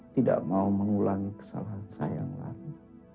tidak mau mengulangi kesalahan saya yang lain